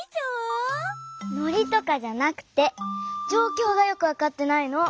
ノリとかじゃなくてじょうきょうがよくわかってないの。